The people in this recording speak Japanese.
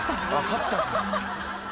「勝ったんだ」